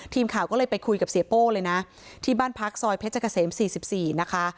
ทีมข่าวก็เลยไปคุยกับเสียโป้เลยนะที่บ้านพักซอยเพชรเกษม๔๔นะคะ